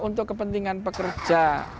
untuk kepentingan pekerja